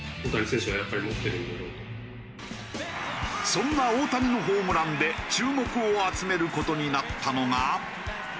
そんな大谷のホームランで注目を集める事になったのが。